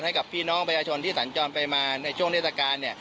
ให้กับพี่น้องประชาชนที่สัญจรไปมาในช่วงเทศกาล